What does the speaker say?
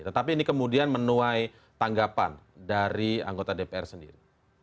tetapi ini kemudian menuai tanggapan dari anggota dpr sendiri